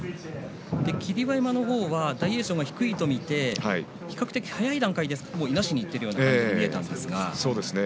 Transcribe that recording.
霧馬山の方は大栄翔の方が低いと見て比較的早い段階でいなしにいっているようにも見えました。